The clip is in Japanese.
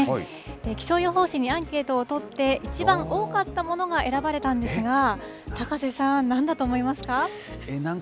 気象予報士にアンケートを取って、一番多かったものが選ばれたんですが、高瀬さん、なんだと思いますか？